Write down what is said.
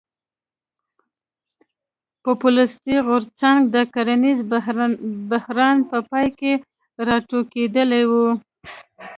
پوپولیستي غورځنګ د کرنیز بحران په پایله کې راټوکېدلی و.